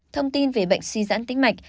thông tin về bệnh suy dãn tĩnh mạch